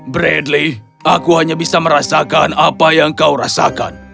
bradley aku hanya bisa merasakan apa yang kau rasakan